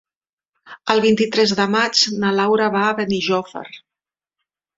El vint-i-tres de maig na Laura va a Benijòfar.